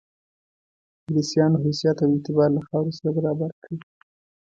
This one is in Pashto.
انګلیسیانو حیثیت او اعتبار له خاورو سره برابر کړي.